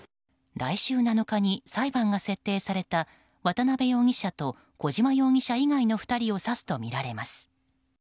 来週７日に裁判が設定された渡辺容疑者と小島容疑者以外の２人を指すとみられます。